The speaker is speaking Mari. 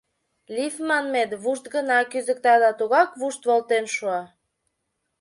Лифт манмет вушт гына кӱзыкта да тугак вушт волтен шуа.